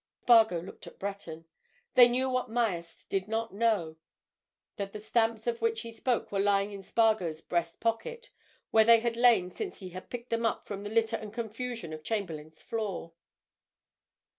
Spargo looked at Breton. They knew what Myerst did not know—that the stamps of which he spoke were lying in Spargo's breast pocket, where they had lain since he had picked them up from the litter and confusion of Chamberlayne's floor.